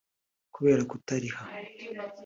kubera kutariha”